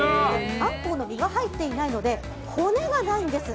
アンコウの身が入っていないので骨がないんです。